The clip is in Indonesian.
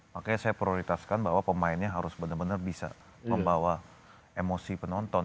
makanya saya prioritaskan bahwa pemainnya harus benar benar bisa membawa emosi penonton